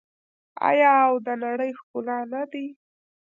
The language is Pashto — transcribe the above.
آیا او د نړۍ ښکلا نه دي؟